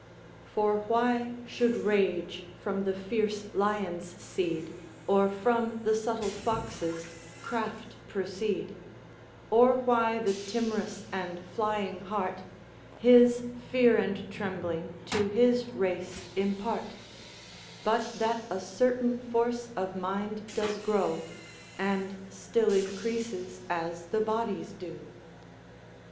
"For why should rage from the fierce lion's seed, Or from the subtle fox's craft, proceed; Or why the tim'rous and flying hart His fear and trembling to his race impart; But that a certain force of mind does grow, And still increases as the bodies do?"